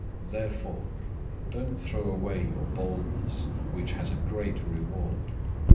010:035 Therefore don't throw away your boldness, which has a great reward.